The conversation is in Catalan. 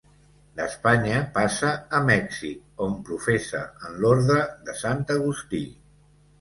D'Espanya passa a Mèxic, on professa en l'orde de Sant Agustí.